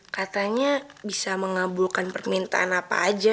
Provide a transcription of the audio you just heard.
katanya bisa mengabulkan permintaan apa aja